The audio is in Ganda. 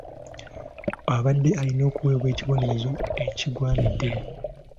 Abadde alina okuweebwa ekibonerezo ekigwanidde.